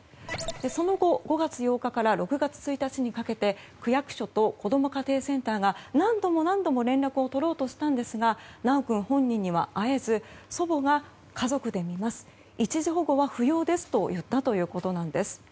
その後、５月８日から６月１日にかけて区役所とこども家庭センターが何度も何度も連絡を取ろうとしたんですが修君本人には会えず祖母が家族で見ます一時保護は不要ですと言ったということなんです。